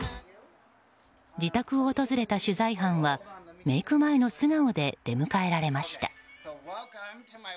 自宅を訪れた取材班はメイク前の素顔で出迎えられました。